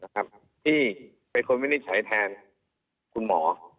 ที่เป็นคนวินิจฉัยแทนคุณหมอ